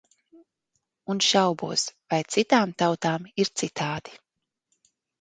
Un šaubos, vai citām tautām ir citādi.